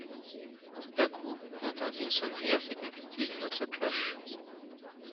Tout à coup on entendit une sonnerie assez compliquée d’une autre cloche.